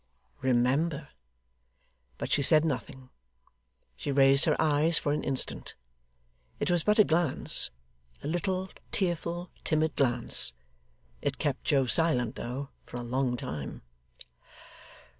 Remember! But she said nothing. She raised her eyes for an instant. It was but a glance; a little, tearful, timid glance. It kept Joe silent though, for a long time.